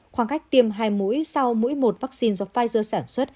khoảng cách tiêm hai mũi sau mũi một vaccine do pfizer sản xuất